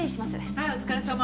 はいお疲れさま。